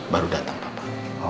baru datang papa